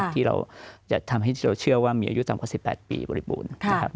ที่เราจะทำให้เราเชื่อว่ามีอายุต่ำกว่า๑๘ปีบริบูรณ์นะครับ